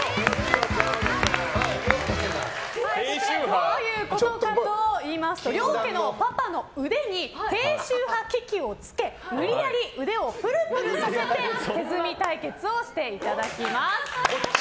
どういうことかといいますと両家のパパの腕に低周波機器をつけ無理やり腕をプルプルさせて手積み対決をしていただきます。